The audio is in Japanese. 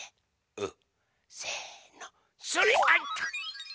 うん！